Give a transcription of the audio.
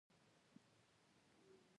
که د درس نوټونه نه وي مطالعه هم نشته.